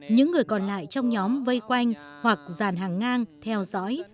những người còn lại trong nhóm vây quanh hoặc dàn hàng ngang theo dõi